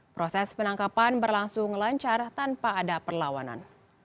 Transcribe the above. proses penangkapan berlangsung lancar tanpa ada perlawanan